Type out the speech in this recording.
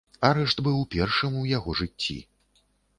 Арышт быў першым у яго жыцці.